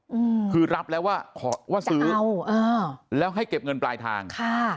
อืมคือรับแล้วว่าขอว่าซื้อเออแล้วให้เก็บเงินปลายทางค่ะ